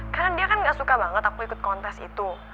karena dia kan gak suka banget aku ikut kontes itu